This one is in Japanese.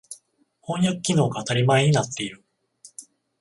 翻訳機能が当たり前になっている。